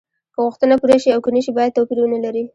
که غوښتنه پوره شي او که نشي باید توپیر ونلري.